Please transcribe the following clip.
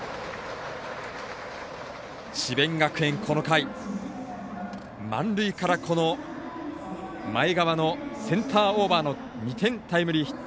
智弁学園、この回満塁から前川のセンターオーバーの２点タイムリーヒット。